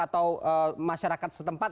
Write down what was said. atau masyarakat setempat